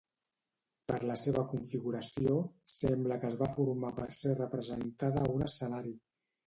Per la seva configuració sembla que es va formar per ser representada a un escenari.